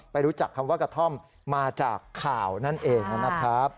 รู้จักคำว่ากระท่อมมาจากข่าวนั่นเองนะครับ